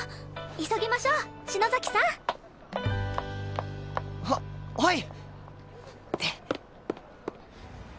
急ぎましょう篠崎さん！ははい！